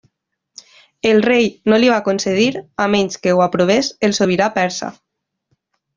El rei no li va concedir a menys que ho aprovés el sobirà persa.